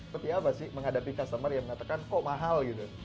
tapi apa sih menghadapi customer yang mengatakan kok mahal gitu